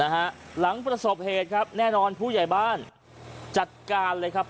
หลังประสบเหตุครับแน่นอนผู้ใหญ่บ้านจัดการเลยครับ